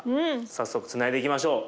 早速つないでいきましょう。